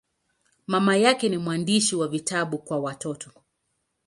Mama yake ni mwandishi wa vitabu kwa watoto.